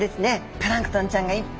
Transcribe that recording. プランクトンちゃんがいっぱい。